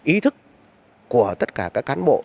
ý thức của tất cả các cán bộ